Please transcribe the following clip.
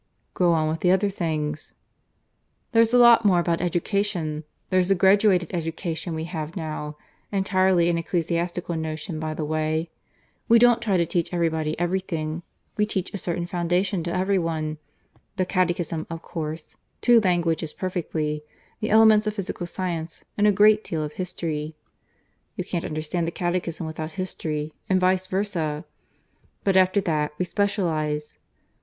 "Go on with the other things." "There's a lot more about education. There's the graduated education we have now (entirely an ecclesiastical notion, by the way). We don't try to teach everybody everything. We teach a certain foundation to every one the Catechism, of course, two languages perfectly, the elements of physical science, and a great deal of history. (You can't understand the Catechism without history, and vice versa); but after that we specialize.